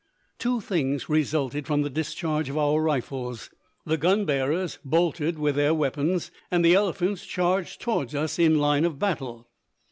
Two things resulted from the discharge of our rifles: the gun bearers bolted with their weapons and the elephants charged toward us in line of battle.